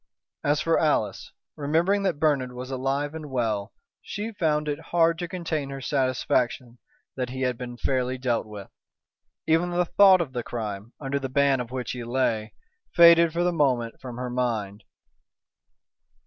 As for Alice, remembering that Bernard was alive and well, she found it hard to contain her satisfaction that he had been fairly dealt with. Even the thought of the crime, under the ban of which he lay, faded for the moment from her mind.